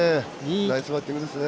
ナイスバッティングですね。